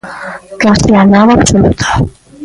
Case a nada absoluta.